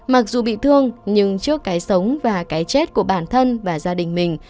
mặc dù bị thương nhưng trước cái sống và cái chết của bản thân và gia đình mình